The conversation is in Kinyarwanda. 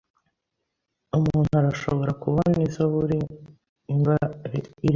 Umuntu arashobora kubona izo buri mva irimo